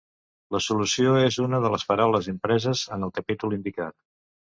La solució és una de les paraules impreses en el capítol indicat.